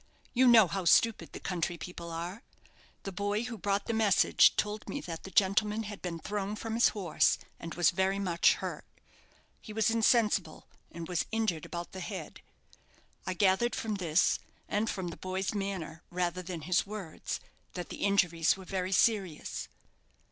You know how stupid the country people are. The boy who brought the message told me that the gentleman had been thrown from his horse, and was very much hurt. He was insensible, and was injured about the head. I gathered from this, and from the boy's manner, rather than his words, that the injuries were very serious."